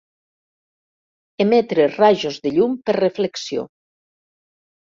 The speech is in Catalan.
Emetre rajos de llum per reflexió.